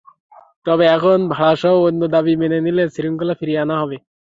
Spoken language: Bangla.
তবে এখন ভাড়াসহ অন্য দাবি মেনে নিলে শৃঙ্খলা ফিরিয়ে আনা হবে।